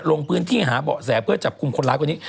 ลงพื้นที่หาเบาะแสเพื่อจับกลุ่มคนร้ายคนนี้